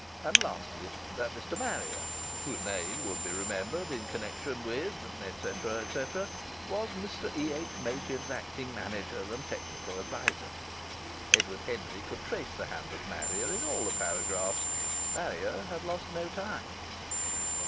And lastly that Mr. Marrier (whose name would be remembered in connection with ... etc., etc.) was Mr. E.H. Machin's acting manager and technical adviser. Edward Henry could trace the hand of Marrier in all the paragraphs. Marrier had lost no time.